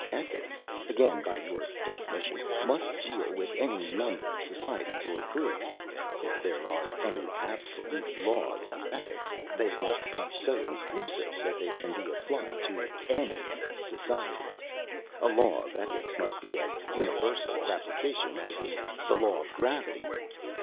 Ethics, again by your definition, must deal with any number of societies or groups. If there are any absolute laws of ethics, they must be so inclusive that they can be applied to any society. A law of ethics must be as universal of application as is the law of gravity."